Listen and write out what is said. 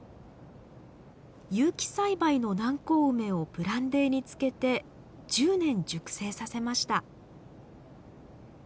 有機栽培の南高梅をブランデーに漬けて１０年熟成させました。